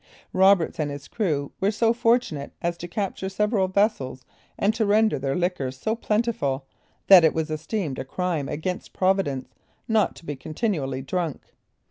Roberts and his crew were so fortunate as to capture several vessels and to render their liquor so plentiful, that it was esteemed a crime against Providence not to be continually drunk.